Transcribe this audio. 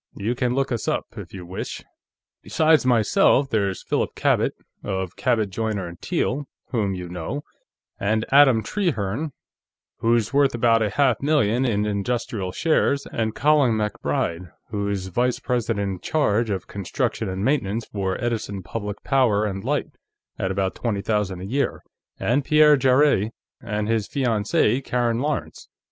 You can look us up, if you wish. Besides myself, there is Philip Cabot, of Cabot, Joyner & Teale, whom you know, and Adam Trehearne, who's worth about a half million in industrial shares, and Colin MacBride, who's vice president in charge of construction and maintenance for Edison Public Power & Light, at about twenty thousand a year, and Pierre Jarrett and his fiancée, Karen Lawrence.